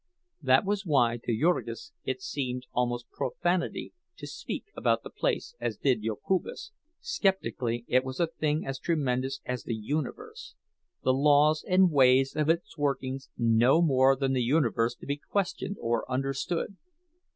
That was why to Jurgis it seemed almost profanity to speak about the place as did Jokubas, skeptically; it was a thing as tremendous as the universe—the laws and ways of its working no more than the universe to be questioned or understood.